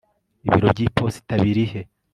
ibiro by'iposita biri he